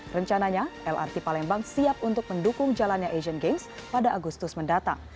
rencananya lrt palembang siap untuk mendukung jalannya asian games pada agustus mendatang